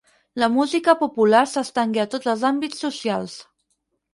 La música popular s'estengué a tots els àmbits socials.